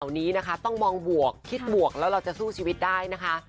นี้นะคะต้องมองบวกคิดบวกแล้วเราจะสู้ชีวิตได้นะคะ